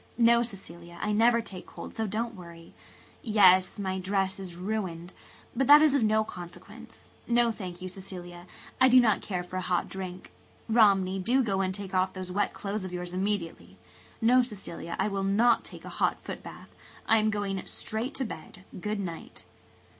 No, Cecilia, I never take cold, so don't worry. Yes, my dress is ruined, but that is of no consequence. No, thank you, Cecilia, I do not care for a hot drink. Romney, do go and take off those wet clothes of yours immediately. No, Cecilia, I will not take a hot footbath. I am going straight to bed. Good night."